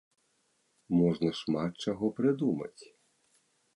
Можна шмат чаго прыдумаць.